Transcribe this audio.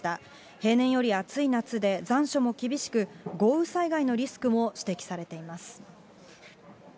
平年より暑い夏で、残暑も厳しく、豪雨災害のリスクも指摘されています。